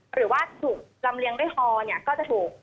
หรือว่าถูกลำเลียงด้วยฮอเนี่ยก็จะถูก